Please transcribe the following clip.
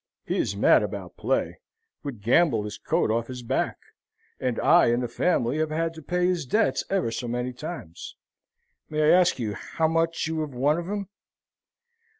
He is mad about play would gamble his coat off his back and I and the family have had to pay his debts ever so many times. May I ask how much you have won of him?"